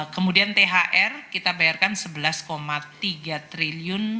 kemudian thr kita bayarkan sebelas empat triliun